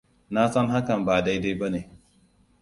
Na san hakan ba dai-dai ba ne.